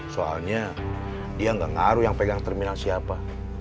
soalnya dia nggak ngaruh yang pegang terminal siapa